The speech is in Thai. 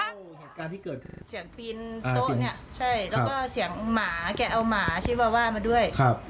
เหตุการณ์ที่เกิดขึ้นเสียงปีนโต๊ะเนี่ยใช่แล้วก็เสียงหมาแกเอาหมาชิวาว่ามาด้วยครับ